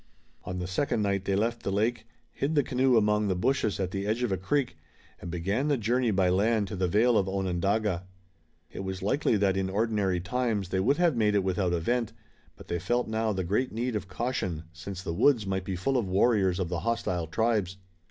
On the second night they left the lake, hid the canoe among the bushes at the edge of a creek, and began the journey by land to the vale of Onondaga. It was likely that in ordinary times they would have made it without event, but they felt now the great need of caution, since the woods might be full of warriors of the hostile tribes.